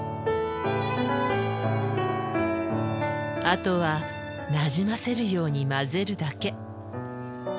あとはなじませるように混ぜるだけ。